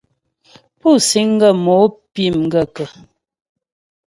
Pú síŋ ghə́ mo pí m gaə̂kə́ ?